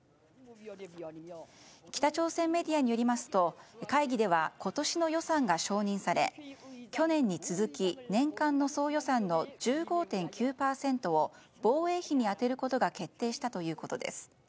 北朝鮮メディアによりますと会議では今年の予算が承認され去年に続き年間の総予算の１５．９％を防衛費に充てることが決定したということです。